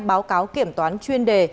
báo cáo kiểm toán chuyên đề